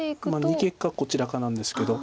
逃げかこちらかなんですけど。